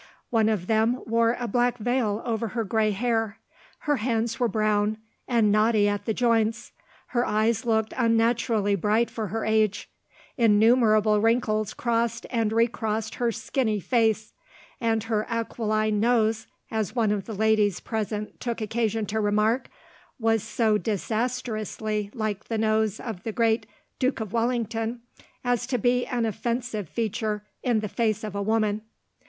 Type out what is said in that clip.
One of them wore a black veil over her gray hair. Her hands were brown, and knotty at the joints; her eyes looked unnaturally bright for her age; innumerable wrinkles crossed and re crossed her skinny face; and her aquiline nose (as one of the ladies present took occasion to remark) was so disastrously like the nose of the great Duke of Wellington as to be an offensive feature in the face of a woman.